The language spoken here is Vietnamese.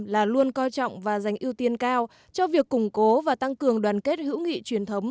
là luôn coi trọng và dành ưu tiên cao cho việc củng cố và tăng cường đoàn kết hữu nghị truyền thống